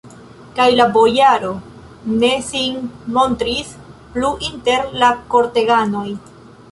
Kaj la bojaro ne sin montris plu inter la korteganoj.